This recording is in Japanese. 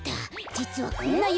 じつはこんなよ